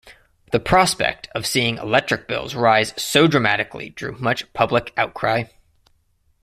The prospect of seeing electric bills rise so dramatically drew much public outcry.